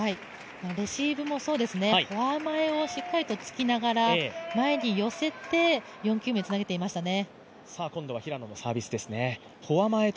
レシーブもそうですねフォア前をしっかりと突きながら前に寄せて、４球目につなげていましたね。